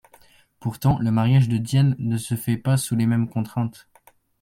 Pourtant, le mariage de Diane ne se fait pas sous les mêmes contraintes.